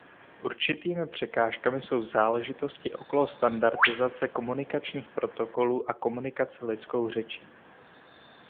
Určitými překážkami jsou záležitosti okolo standardizace komunikačních protokolů a komunikace lidskou řečí.